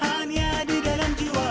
hanya di dalam jiwa